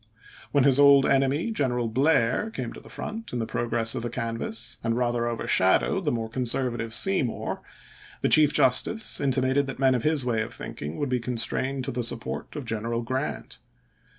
When his old enemy, General Blair, came to the front, in the progress of the canvass, and rather CHASE AS CHIEF JUSTICE 401 overshadowed the more conservative Seymour, the ch. xvii. Chief Justice intimated that men of his way of ^ a fetter thinking would be constrained to the support of wJJ|en^n General Grant.